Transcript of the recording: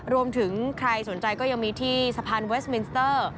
รวมถึงใครสนใจก็ยังมีที่สะพานเวสมินสเตอร์